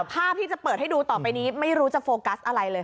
ภาพที่จะเปิดให้ดูต่อไปนี้ไม่รู้จะโฟกัสอะไรเลย